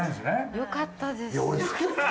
よかったです。